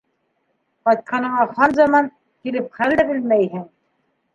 Ҡайтҡаныңа хан заман, килеп хәл дә белмәйһең.